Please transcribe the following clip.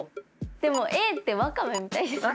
でもＡってワカメみたいじゃない？